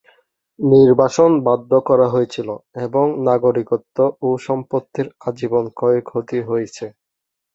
নির্বাসন বাধ্য করা হয়েছিল এবং নাগরিকত্ব ও সম্পত্তির আজীবন ক্ষয়ক্ষতি হয়েছে।